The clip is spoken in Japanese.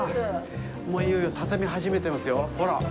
もういよいよ畳み始めてますよ、ほら。